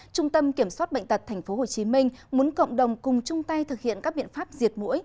trung tâm kiểm soát bệnh tật tp hcm muốn cộng đồng cùng chung tay thực hiện các biện pháp diệt mũi